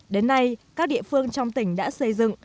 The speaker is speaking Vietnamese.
đến nay các địa phương trong tỉnh đã xây dựng